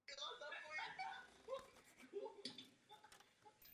Bohužel z plánovaného nákupu dalších elektrických jednotek sešlo.